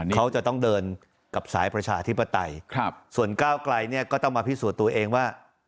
เขาจะต้องเดินกับสายประชาธิปไตยส่วนก้าวไกลเนี่ยก็ต้องมาพิสูจน์ตัวเองว่า